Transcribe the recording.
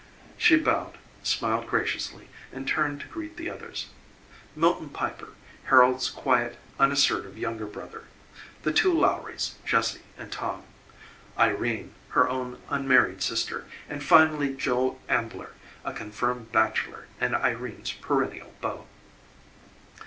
She bowed, smiled graciously, and turned to greet the others: Milton Piper, Harold's quiet, unassertive younger brother; the two Lowries, Jessie and Tom; Irene, her own unmarried sister; and finally Joe Ambler, a confirmed bachelor and Irene's perennial beau.